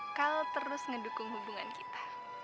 yang bakal terus ngedukung hubungan kita